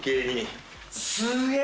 すげえ！